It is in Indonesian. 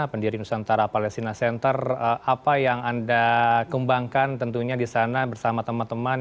pendiri nusantara palestina center apa yang anda kembangkan tentunya di sana bersama teman teman